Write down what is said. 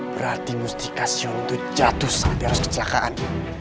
berarti musti kasyon itu jatuh saat eros kecelakaan